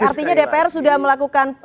artinya dpr sudah melakukan